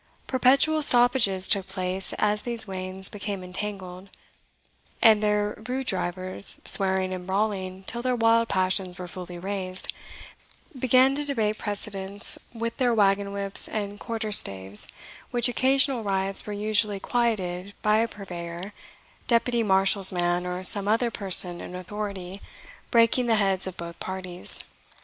Perpetual stoppages took place as these wains became entangled; and their rude drivers, swearing and brawling till their wild passions were fully raised, began to debate precedence with their wagon whips and quarterstaves, which occasional riots were usually quieted by a purveyor, deputy marshal's man, or some other person in authority, breaking the heads of both parties.